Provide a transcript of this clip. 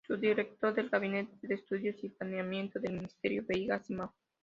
Fue director del Gabinete de Estudios y Planeamiento del Ministro Veiga Simão.